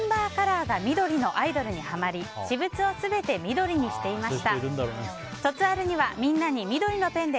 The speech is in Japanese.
メンバーカラーが緑のアイドルにはまり、私物を全て緑にしてました。